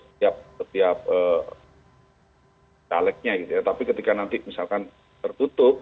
setiap taleknya tapi ketika nanti misalkan tertutup